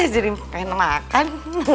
jadi pengen makan